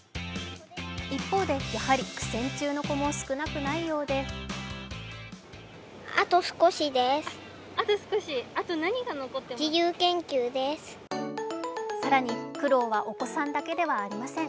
一方で、やはり苦戦中の子も少なくないようで更に苦労はお子さんだけではありません。